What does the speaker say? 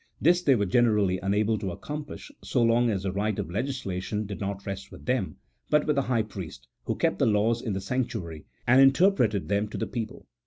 This they were generally unable to accomplish, so long as the right of legislation did not rest with them, but with the high priest, who kept the laws in the sanctuary, and inter preted them to the people.